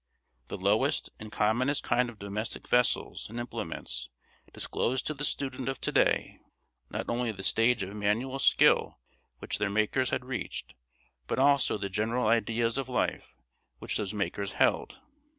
The lowest and commonest kind of domestic vessels and implements disclose to the student of to day not only the stage of manual skill which their makers had reached, but also the general ideas of life which those makers held.